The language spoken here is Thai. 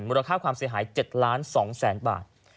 มูลค่าความเสียหาย๗๒ล้านบาท